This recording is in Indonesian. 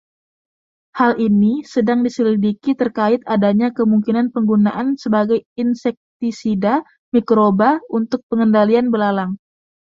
Hal ini sedang diselidiki terkait adanya kemungkinan penggunaan sebagai insektisida mikroba untuk pengendalian belalang.